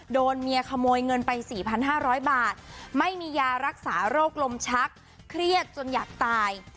โดนเมียขโมยเงินไป๔๕๐๐บาทไม่มียารักษาโรคลมชักเครียดจนอยากตาย